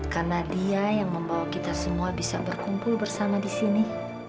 karena dia yang membawa kita semua bisa berkumpul bersama di sini